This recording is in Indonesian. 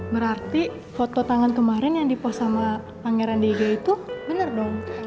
berarti foto tangan kemarin yang dipost sama pangeran di ig itu bener dong